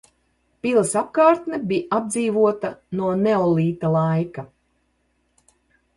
Pilas apkārtne bija apdzīvota no neolīta laika.